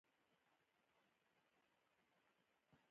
لاسونه تصویرونه جوړوي